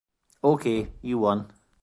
Okay, you won.